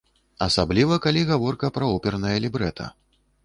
Асабліва калі гаворка пра опернае лібрэта.